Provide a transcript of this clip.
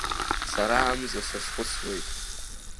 Сара амза сазхәыцуеит.